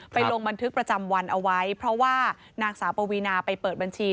ลงบันทึกประจำวันเอาไว้เพราะว่านางสาวปวีนาไปเปิดบัญชี